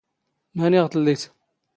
ⵎⴰⵏⵉ ⴳ ⵜⵍⵍⵉⴷ?